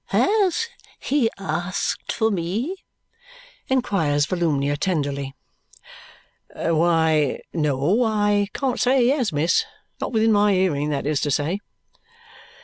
"Has he asked for me?" inquires Volumnia tenderly. "Why, no, I can't say he has, miss. Not within my hearing, that is to say."